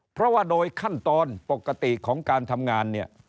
เพราะว่าโดยขั้นตอนปกติของการทำงานเนี่ย